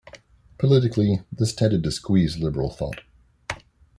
Politically this tended to squeeze liberal thought.